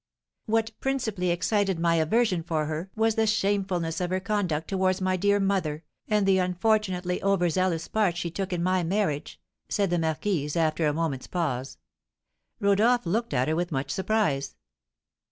"What principally excited my aversion for her was the shamefulness of her conduct towards my dear mother, and the unfortunately over zealous part she took in my marriage," said the marquise, after a moment's pause. Rodolph looked at her with much surprise.